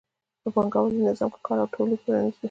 په پانګوالي نظام کې کار او تولید ټولنیز وي